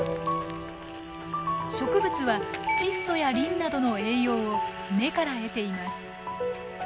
植物は窒素やリンなどの栄養を根から得ています。